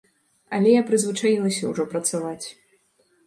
Але я прызвычаілася ўжо працаваць.